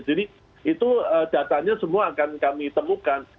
jadi datanya semua akan kami temukan